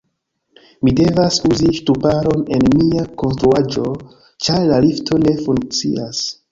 Mi devas uzi ŝtuparon en mia konstruaĵo ĉar la lifto ne funkcias